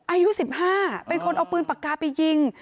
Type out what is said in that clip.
อายุ๑๕เป็นคนเอาปืนปากกาไปยิง